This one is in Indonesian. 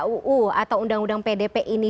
uu atau undang undang pdp ini